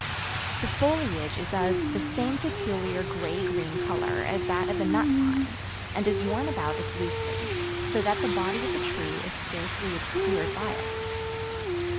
The foliage is of the same peculiar gray green color as that of the nut pine, and is worn about as loosely, so that the body of the tree is scarcely obscured by it.